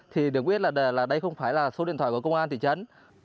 thì được biết là đây không phải là số điện thoại của công an thị trấn